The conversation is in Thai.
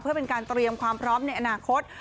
เพื่อเป็นการเตรียมความพร้อมในอนาคต